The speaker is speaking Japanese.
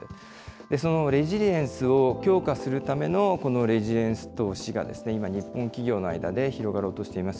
そのレジリエンスを強化するためのこのレジリエンス投資が今、日本企業の間で広がろうとしています。